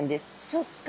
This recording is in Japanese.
そっか。